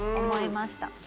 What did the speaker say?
思いました。